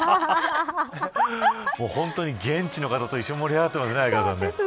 本当に現地の方と一緒に盛り上がってますね、相川さん。